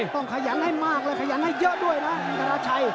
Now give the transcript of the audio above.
ต้องพยายามให้เยอะด้วยนะอินทาชัย